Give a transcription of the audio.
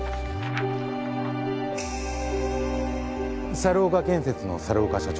猿岡建設の猿岡社長。